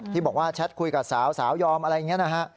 ที่บอกว่าแชทคุยกับสาวยอมอะไรอย่างนี้นะฮะ